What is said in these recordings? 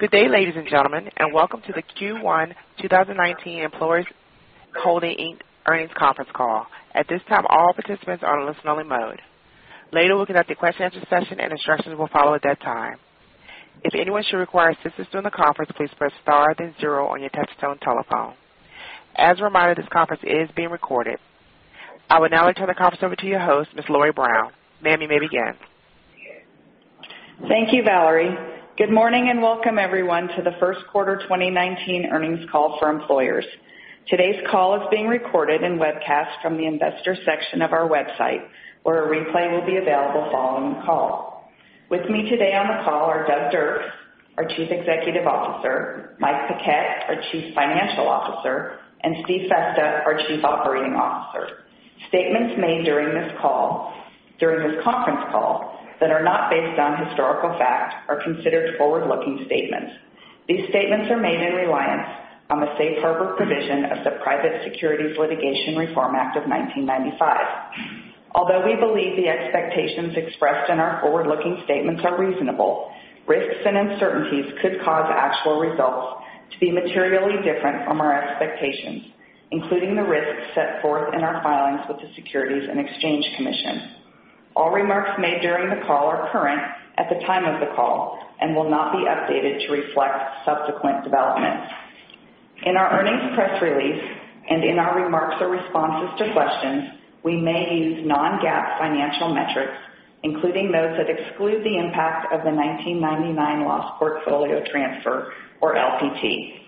Good day, ladies and gentlemen, welcome to the Q1 2019 Employers Holdings, Inc. earnings conference call. At this time, all participants are in listen-only mode. Later, we'll conduct the question and answer session, and instructions will follow at that time. If anyone should require assistance during the conference, please press star then zero on your touchtone telephone. As a reminder, this conference is being recorded. I will now turn the conference over to your host, Ms. Lori Brown. Ma'am, you may begin. Thank you, Valerie. Good morning, welcome, everyone, to the first quarter 2019 earnings call for Employers. Today's call is being recorded and webcast from the Investors section of our website, where a replay will be available following the call. With me today on the call are Doug Dirks, our Chief Executive Officer, Mike Paquette, our Chief Financial Officer, and Steve Festa, our Chief Operating Officer. Statements made during this conference call that are not based on historical fact are considered forward-looking statements. These statements are made in reliance on the safe harbor provision of the Private Securities Litigation Reform Act of 1995. Although we believe the expectations expressed in our forward-looking statements are reasonable, risks and uncertainties could cause actual results to be materially different from our expectations, including the risks set forth in our filings with the Securities and Exchange Commission. All remarks made during the call are current at the time of the call and will not be updated to reflect subsequent developments. In our earnings press release and in our remarks or responses to questions, we may use non-GAAP financial metrics, including those that exclude the impact of the 1999 loss portfolio transfer, or LPT.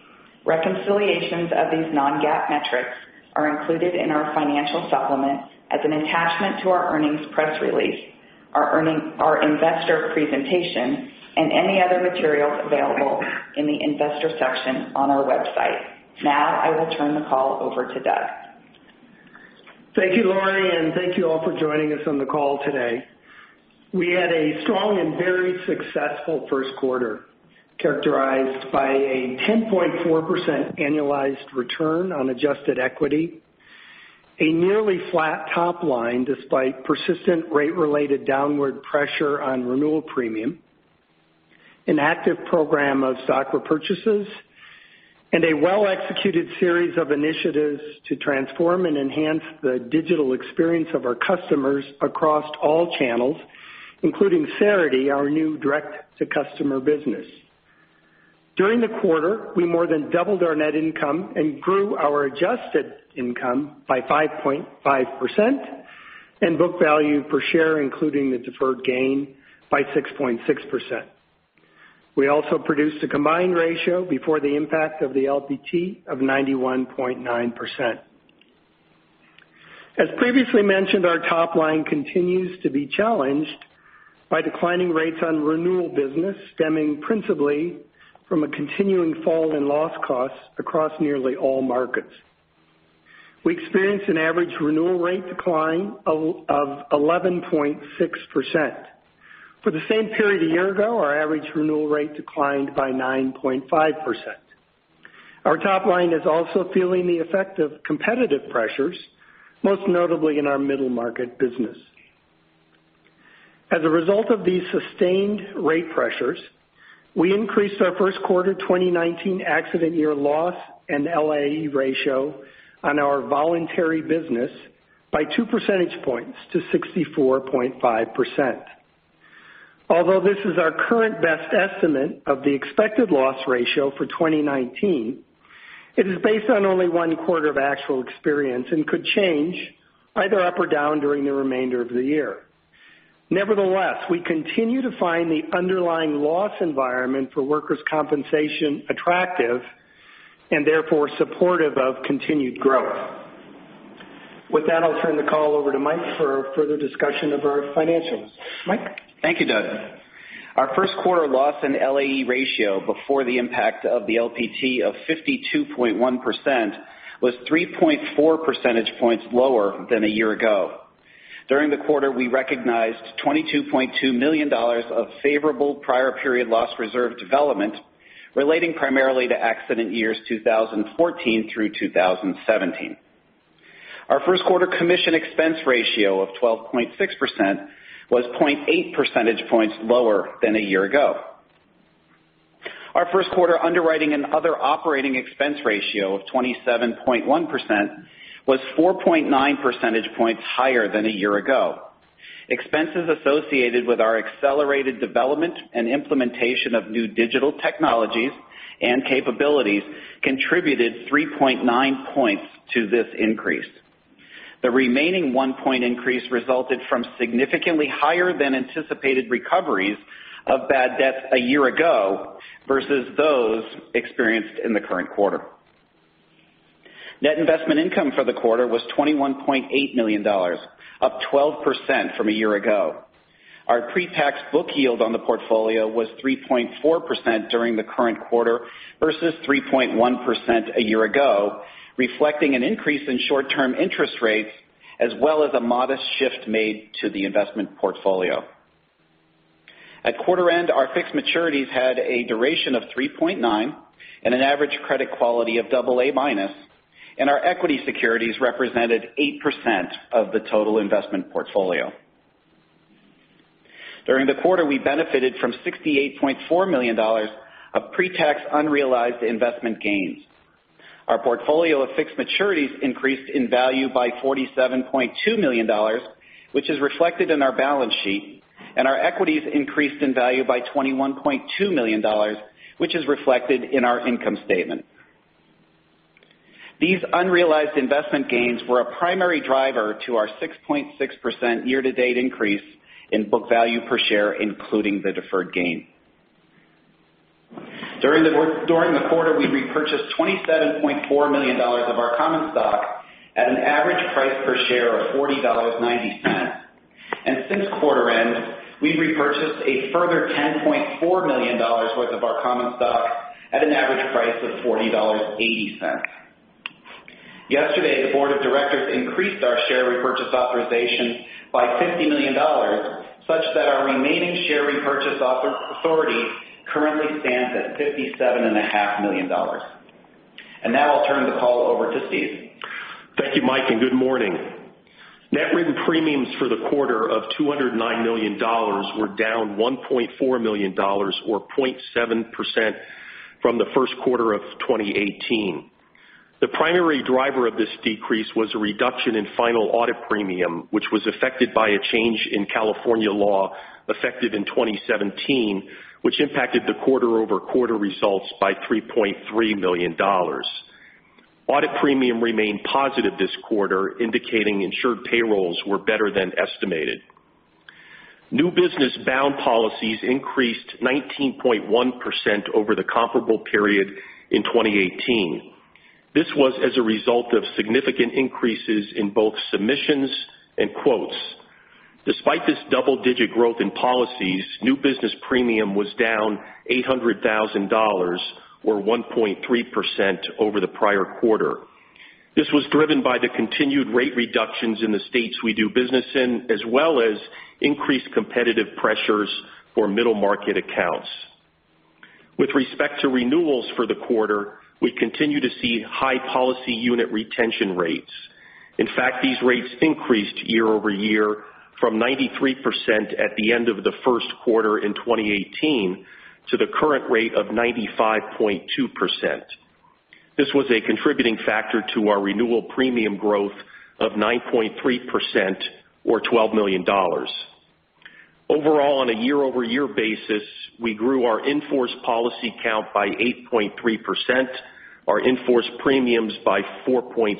Reconciliations of these non-GAAP metrics are included in our financial supplement as an attachment to our earnings press release, our investor presentation, and any other materials available in the Investors section on our website. I will turn the call over to Doug. Thank you, Lori, thank you all for joining us on the call today. We had a strong and very successful first quarter, characterized by a 10.4% annualized return on adjusted equity, a nearly flat top line despite persistent rate-related downward pressure on renewal premium, an active program of stock repurchases, and a well-executed series of initiatives to transform and enhance the digital experience of our customers across all channels, including Cerity, our new direct-to-customer business. During the quarter, we more than doubled our net income and grew our adjusted income by 5.5% and book value per share, including the deferred gain, by 6.6%. We also produced a combined ratio before the impact of the LPT of 91.9%. As previously mentioned, our top line continues to be challenged by declining rates on renewal business, stemming principally from a continuing fall in loss costs across nearly all markets. We experienced an average renewal rate decline of 11.6%. For the same period a year ago, our average renewal rate declined by 9.5%. Our top line is also feeling the effect of competitive pressures, most notably in our middle market business. As a result of these sustained rate pressures, we increased our first quarter 2019 accident year loss and LAE ratio on our voluntary business by two percentage points to 64.5%. Although this is our current best estimate of the expected loss ratio for 2019, it is based on only one quarter of actual experience and could change either up or down during the remainder of the year. Nevertheless, we continue to find the underlying loss environment for workers' compensation attractive and therefore supportive of continued growth. With that, I'll turn the call over to Mike for further discussion of our financials. Mike? Thank you, Doug. Our first quarter loss and LAE ratio before the impact of the LPT of 52.1% was 3.4 percentage points lower than a year ago. During the quarter, we recognized $22.2 million of favorable prior period loss reserve development relating primarily to accident years 2014 through 2017. Our first quarter commission expense ratio of 12.6% was 0.8 percentage points lower than a year ago. Our first quarter underwriting and other operating expense ratio of 27.1% was 4.9 percentage points higher than a year ago. Expenses associated with our accelerated development and implementation of new digital technologies and capabilities contributed 3.9 points to this increase. The remaining one-point increase resulted from significantly higher than anticipated recoveries of bad debts a year ago versus those experienced in the current quarter. Net investment income for the quarter was $21.8 million, up 12% from a year ago. Our pre-tax book yield on the portfolio was 3.4% during the current quarter versus 3.1% a year ago, reflecting an increase in short-term interest rates, as well as a modest shift made to the investment portfolio. At quarter end, our fixed maturities had a duration of 3.9 and an average credit quality of double A minus. Our equity securities represented 8% of the total investment portfolio. During the quarter, we benefited from $68.4 million of pre-tax unrealized investment gains. Our portfolio of fixed maturities increased in value by $47.2 million, which is reflected in our balance sheet, and our equities increased in value by $21.2 million, which is reflected in our income statement. These unrealized investment gains were a primary driver to our 6.6% year-to-date increase in book value per share, including the deferred gain. During the quarter, we repurchased $27.4 million of our common stock at an average price per share of $40.90. Since quarter end, we've repurchased a further $10.4 million worth of our common stock at an average price of $40.80. Yesterday, the board of directors increased our share repurchase authorization by $50 million, such that our remaining share repurchase authority currently stands at $57.5 million. Now I'll turn the call over to Steve. Thank you, Mike, and good morning. Net written premiums for the quarter of $209 million were down $1.4 million, or 0.7%, from the first quarter of 2018. The primary driver of this decrease was a reduction in final audit premium, which was affected by a change in California law effective in 2017, which impacted the quarter-over-quarter results by $3.3 million. Audit premium remained positive this quarter, indicating insured payrolls were better than estimated. New business bound policies increased 19.1% over the comparable period in 2018. This was as a result of significant increases in both submissions and quotes. Despite this double-digit growth in policies, new business premium was down $800,000, or 1.3%, over the prior quarter. This was driven by the continued rate reductions in the states we do business in, as well as increased competitive pressures for middle-market accounts. With respect to renewals for the quarter, we continue to see high policy unit retention rates. In fact, these rates increased year-over-year from 93% at the end of the first quarter in 2018 to the current rate of 95.2%. This was a contributing factor to our renewal premium growth of 9.3%, or $12 million. Overall, on a year-over-year basis, we grew our in-force policy count by 8.3%, our in-force premiums by 4.7%,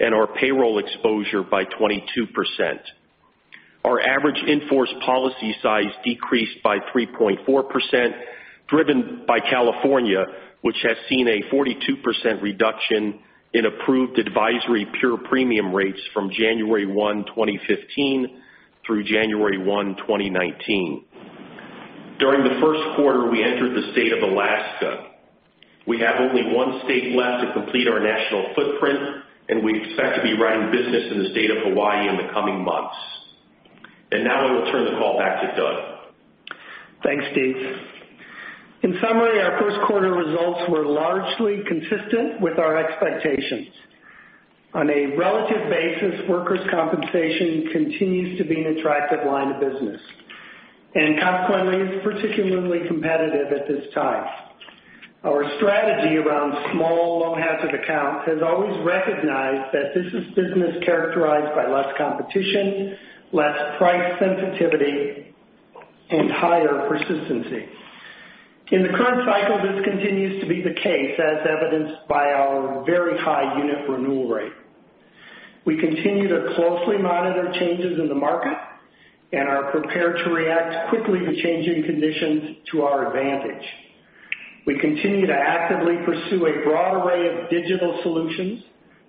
and our payroll exposure by 22%. Our average in-force policy size decreased by 3.4%, driven by California, which has seen a 42% reduction in approved advisory pure premium rates from January 1, 2015, through January 1, 2019. During the first quarter, we entered the state of Alaska. We have only one state left to complete our national footprint, and we expect to be writing business in the state of Hawaii in the coming months. Now I will turn the call back to Doug. Thanks, Steve. In summary, our first quarter results were largely consistent with our expectations. On a relative basis, workers' compensation continues to be an attractive line of business and consequently is particularly competitive at this time. Our strategy around small, low-hazard accounts has always recognized that this is business characterized by less competition, less price sensitivity, and higher persistency. In the current cycle, this continues to be the case, as evidenced by our very high unit renewal rate. We continue to closely monitor changes in the market and are prepared to react quickly to changing conditions to our advantage. We continue to actively pursue a broad array of digital solutions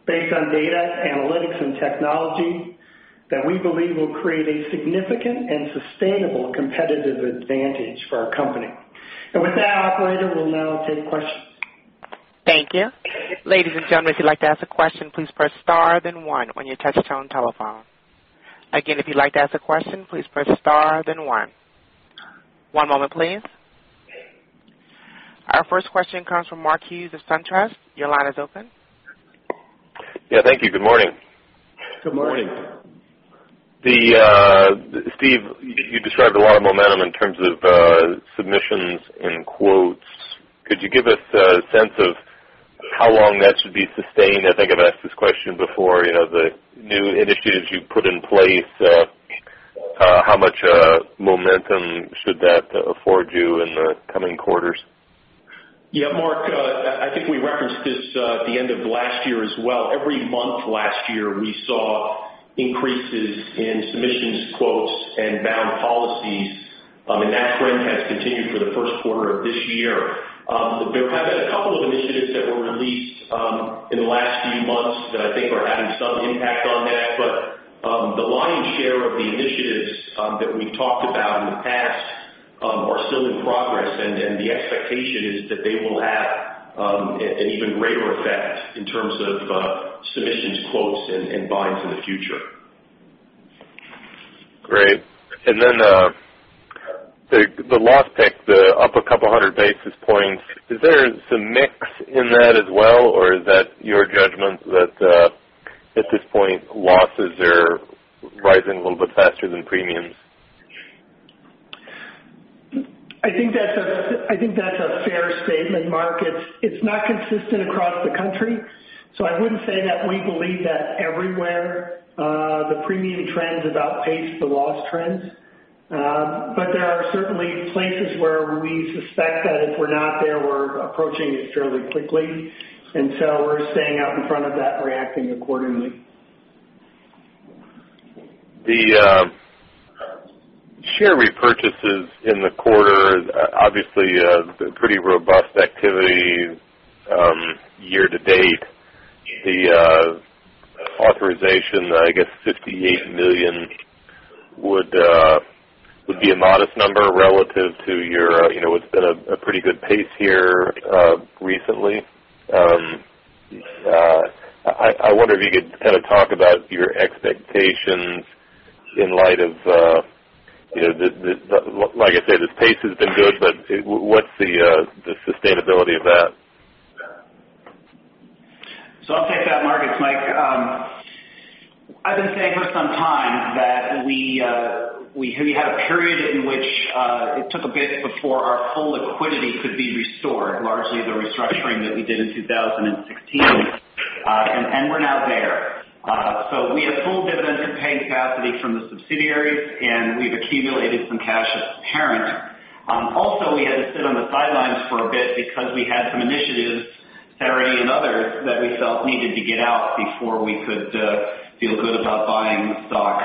based on data, analytics, and technology that we believe will create a significant and sustainable competitive advantage for our company. With that, operator, we'll now take questions. Thank you. Ladies and gentlemen, if you'd like to ask a question, please press star then one on your touch-tone telephone. Again, if you'd like to ask a question, please press star then one. One moment, please. Our first question comes from Mark Hughes of SunTrust. Your line is open. Yeah, thank you. Good morning. Good morning. Good morning. Steve, you described a lot of momentum in terms of submissions and quotes. Could you give us a sense of how long that should be sustained? I think I've asked this question before. The new initiatives you've put in place, how much momentum should that afford you in the coming quarters? Yeah, Mark, I think we referenced this at the end of last year as well. Every month last year, we saw increases in submissions, quotes, and bound policies, and that trend has continued for the first quarter of this year. There have been a couple of initiatives that were released in the last few months that I think are having some impact on that. The lion's share of the initiatives that we've talked about in the past are still in progress, and the expectation is that they will have an even greater effect in terms of submissions, quotes, and binds in the future. Great. The loss pick up a couple of hundred basis points. Is there some mix in that as well, or is that your judgment that at this point, losses are rising a little bit faster than premiums? I think that's a fair statement, Mark. It's not consistent across the country, so I wouldn't say that we believe that everywhere the premium trends about pace the loss trends. There are certainly places where we suspect that if we're not there, we're approaching it fairly quickly. We're staying out in front of that and reacting accordingly. The share repurchases in the quarter, obviously, pretty robust activity year-to-date. The authorization, I guess $58 million would be a modest number relative to. It's been a pretty good pace here recently. I wonder if you could kind of talk about your expectations in light of, like I said, the pace has been good, but what's the sustainability of that? I'll take that, Mark. It's Mike. I've been saying for some time that we had a period in which it took a bit before our full liquidity could be restored, largely the restructuring that we did in 2016. We're now there. We have full dividend and paying capacity from the subsidiaries, and we've accumulated some cash as parent. Also, we had to sit on the sidelines for a bit because we had some initiatives, Cerity and others, that we felt needed to get out before we could feel good about buying stock.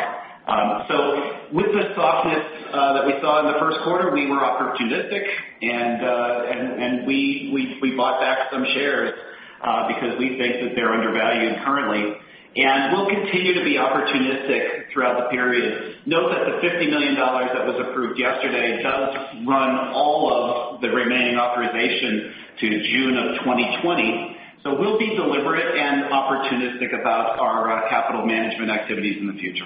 With the softness that we saw in the first quarter, we were opportunistic, and we bought back some shares because we think that they're undervalued currently. We'll continue to be opportunistic throughout the period. Note that the $50 million that was approved yesterday does run all of the remaining authorization to June of 2020. We'll be deliberate and opportunistic about our capital management activities in the future.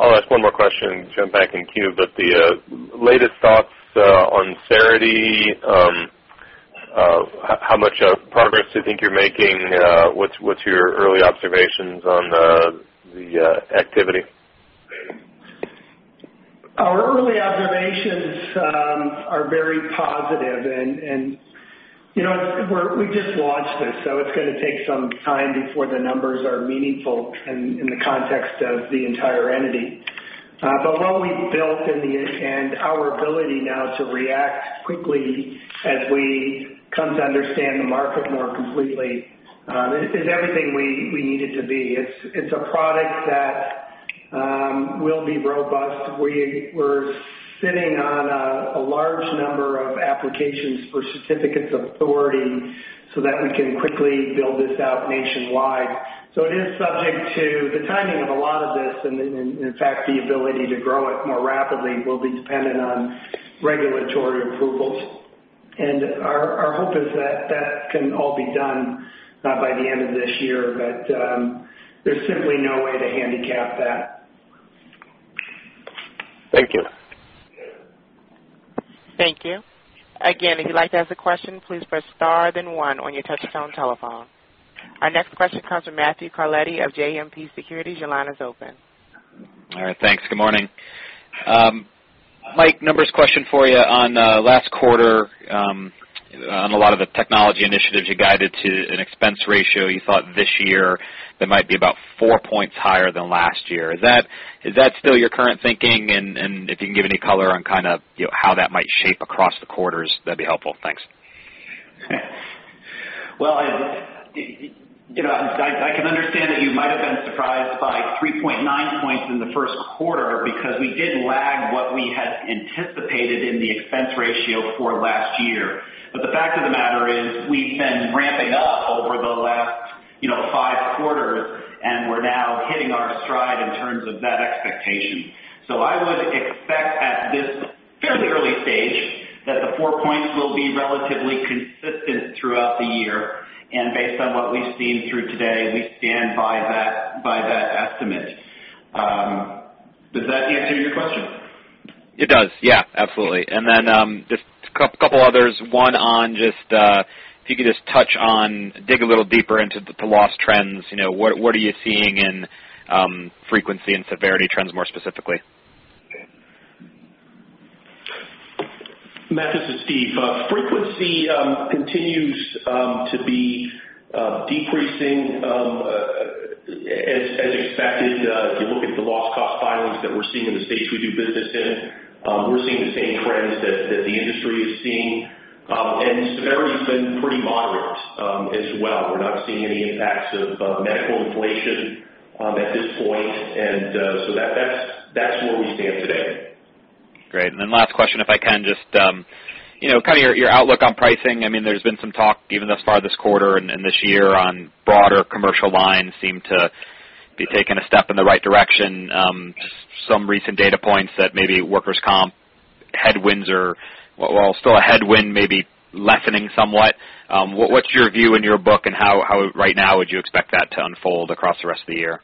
I'll ask one more question, jump back in queue. The latest thoughts on Cerity, how much progress do you think you're making? What's your early observations on the activity? Our early observations are very positive, and we just launched this, so it's going to take some time before the numbers are meaningful in the context of the entire entity. What we've built and our ability now to react quickly as we come to understand the market more completely is everything we need it to be. It's a product that will be robust. We're sitting on a large number of applications for certificates of authority so that we can quickly build this out nationwide. It is subject to the timing of a lot of this, and in fact, the ability to grow it more rapidly will be dependent on regulatory approvals. Our hope is that can all be done by the end of this year, but there's simply no way to handicap that. Thank you. Thank you. Again, if you'd like to ask a question, please press star then one on your touch-tone telephone. Our next question comes from Matthew Carletti of JMP Securities. Your line is open. All right, thanks. Good morning. Mike, numbers question for you on last quarter on a lot of the technology initiatives you guided to an expense ratio you thought this year that might be about four points higher than last year. Is that still your current thinking? If you can give any color on how that might shape across the quarters, that'd be helpful. Thanks. Well, I can understand that you might have been surprised by 3.9 points in the first quarter because we did lag what we had anticipated in the expense ratio for last year. The fact of the matter is we've been ramping up over the last five quarters, and we're now hitting our stride in terms of that expectation. I would expect at this fairly early stage that the four points will be relatively consistent throughout the year. Based on what we've seen through today, we stand by that estimate. Does that answer your question? It does. Yeah, absolutely. Just a couple others. One on just if you could just touch on, dig a little deeper into the loss trends. What are you seeing in frequency and severity trends, more specifically? Matthew, this is Steve. Frequency continues to be decreasing as expected. If you look at the loss cost filings that we're seeing in the states we do business in, we're seeing the same trends that the industry is seeing. Severity's been pretty moderate as well. We're not seeing any impacts of medical inflation at this point. That's where we stand today. Great. Last question, if I can just your outlook on pricing. There's been some talk even thus far this quarter and this year on broader commercial lines seem to be taking a step in the right direction. Just some recent data points that maybe workers' comp headwinds or, well, still a headwind maybe lessening somewhat. What's your view in your book, and how right now would you expect that to unfold across the rest of the year?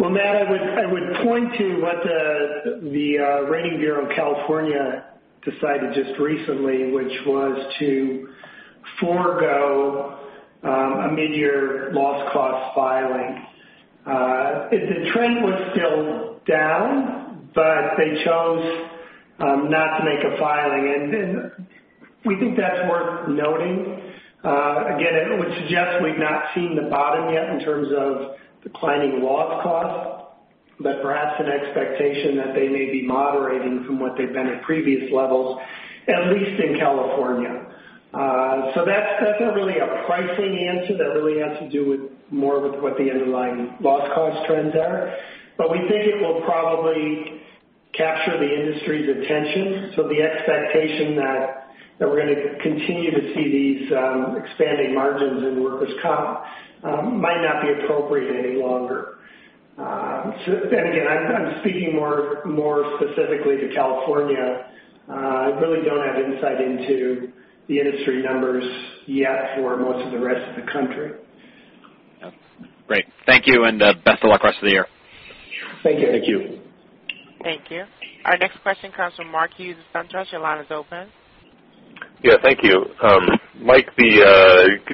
Well, Matt, I would point to what the Rating Bureau of California decided just recently, which was to forego a mid-year loss cost filing. The trend was still down, but they chose not to make a filing, and we think that's worth noting. It would suggest we've not seen the bottom yet in terms of declining loss cost, but perhaps an expectation that they may be moderating from what they've been at previous levels, at least in California. That's not really a pricing answer. That really has to do more with what the underlying loss cost trends are. We think it will probably capture the industry's attention. The expectation that we're going to continue to see these expanding margins in workers' comp might not be appropriate any longer. I'm speaking more specifically to California. I really don't have insight into the industry numbers yet for most of the rest of the country. Yep. Great. Thank you, and best of luck rest of the year. Thank you. Thank you. Our next question comes from Mark Hughes of SunTrust. Your line is open. Yeah. Thank you. Mike, could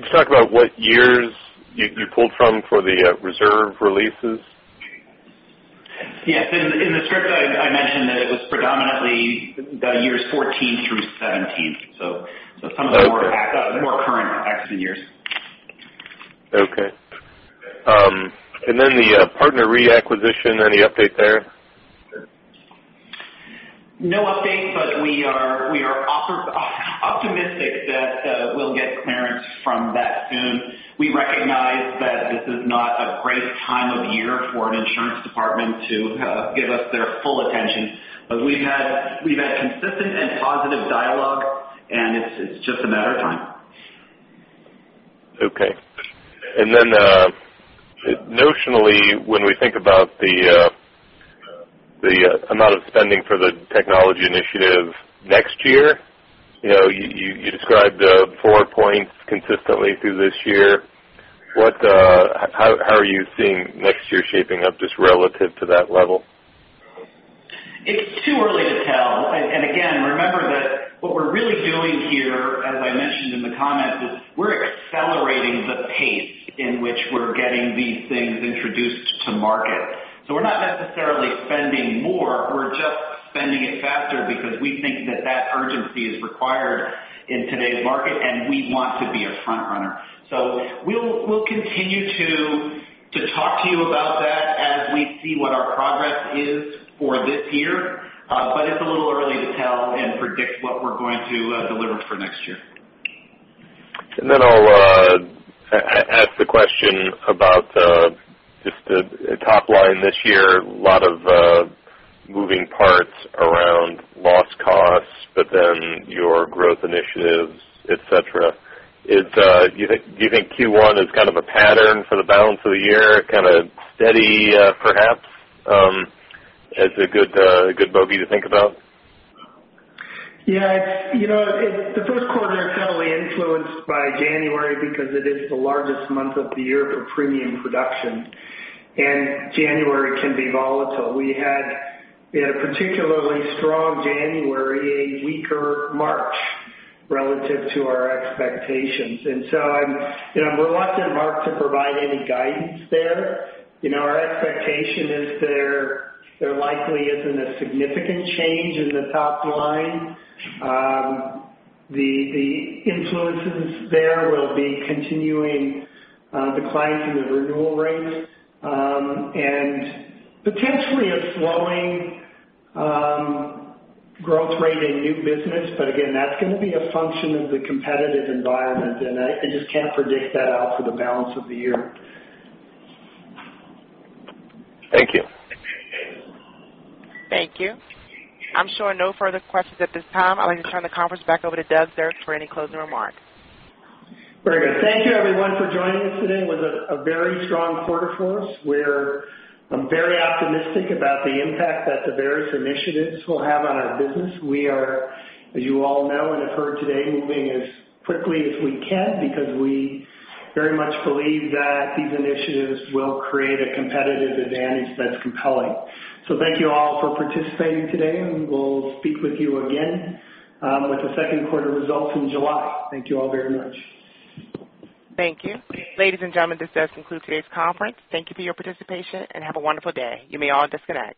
you talk about what years you pulled from for the reserve releases? Yes. In the script, I mentioned that it was predominantly the years 2014 through 2017, some- Okay. Of the more current accident years. Okay. The partner reacquisition, any update there? No update, but we are optimistic that we'll get clearance from that soon. We recognize that this is not a great time of year for an insurance department to give us their full attention, but we've had consistent and positive dialogue, and it's just a matter of time. Okay. Notionally, when we think about the amount of spending for the technology initiative next year, you described four points consistently through this year. How are you seeing next year shaping up just relative to that level? It's too early to tell. Again, remember that what we're really doing here, as I mentioned in the comments, is we're accelerating the pace in which we're getting these things introduced to market. We're not necessarily spending more, we're just spending it faster because we think that that urgency is required in today's market, and we want to be a frontrunner. We'll continue to talk to you about that as we see what our progress is for this year. It's a little early to tell and predict what we're going to deliver for next year. I'll ask the question about just the top line this year. A lot of moving parts around loss costs, your growth initiatives, et cetera. Do you think Q1 is kind of a pattern for the balance of the year? Kind of steady perhaps as a good bogey to think about? Yeah. The first quarter is heavily influenced by January because it is the largest month of the year for premium production, January can be volatile. We had a particularly strong January, a weaker March relative to our expectations, so I'm reluctant, Mark, to provide any guidance there. Our expectation is there likely isn't a significant change in the top line. The influences there will be continuing declines in the renewal rates, potentially a slowing growth rate in new business. Again, that's going to be a function of the competitive environment, I just can't predict that out for the balance of the year. Thank you. Thank you. I'm showing no further questions at this time. I'd like to turn the conference back over to Doug Dirks for any closing remarks. Very good. Thank you, everyone, for joining us today. It was a very strong quarter for us. I'm very optimistic about the impact that the various initiatives will have on our business. We are, as you all know and have heard today, moving as quickly as we can because we very much believe that these initiatives will create a competitive advantage that's compelling. Thank you all for participating today, and we will speak with you again with the second quarter results in July. Thank you all very much. Thank you. Ladies and gentlemen, this does conclude today's conference. Thank you for your participation, and have a wonderful day. You may all disconnect.